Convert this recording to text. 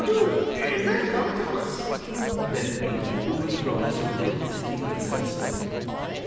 "Do, and then come tell us," begged Peter, who was growing so curious that he couldn't sit still.